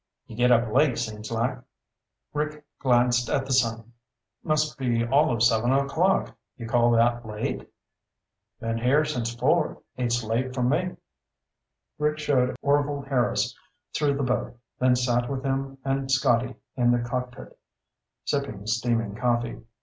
You get up late, seems like." Rick glanced at the sun. "Must be all of seven o'clock. You call that late?" "Been here since four. It's late for me." Rick showed Orvil Harris through the boat, then sat with him and Scotty in the cockpit, sipping steaming coffee.